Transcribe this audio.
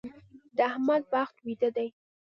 د احمد بخت ويده دی.